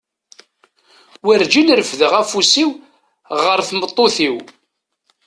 Warǧin refdeɣ afus-iw ɣer tmeṭṭut-iw.